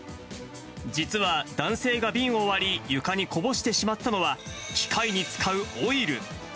実は男性が瓶を割り、床にこぼしてしまったのは、機械に使うオイル。